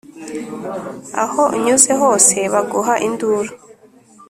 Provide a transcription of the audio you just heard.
Aho unyuze hose baguha induru